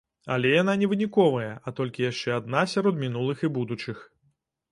Але яна не выніковая, а толькі яшчэ адна сярод мінулых і будучых.